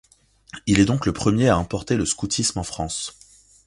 Il est donc le premier à importer le scoutisme en France.